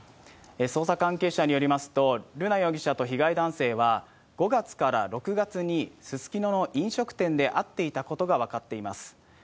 捜査関係者によりますと、瑠奈容疑者と被害男性は、５月から６月にすすきのの飲食店で会っていたことが分かっています。